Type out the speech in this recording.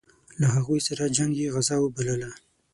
له هغوی سره جنګ یې غزا وبلله.